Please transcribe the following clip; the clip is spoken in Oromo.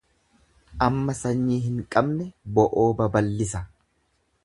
Amma sanyii hin qabne bo'oo baballisa.